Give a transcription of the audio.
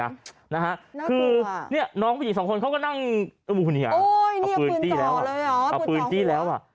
นะฮะน่ากลัวคือเนี้ยน้องผู้หญิงสองคนเขาก็นั่งโอ้ยเนี้ยเอาปืนตี้แล้วเอาปืนตี้แล้วอ่ะ